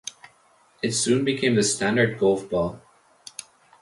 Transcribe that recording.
It soon became the standard golf ball.